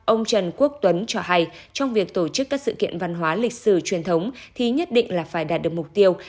ông trần quốc tuấn cho hay trong việc tổ chức các sự kiện văn hóa lịch sử truyền thống thì nhất định là phải đạt được mục tiêu